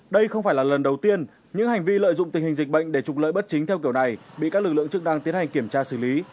đây không phải là lần đầu tiên những hành vi lợi dụng tình hình dịch bệnh để trục lợi bất chính theo kiểu này bị các lực lượng chức năng tiến hành kiểm tra xử lý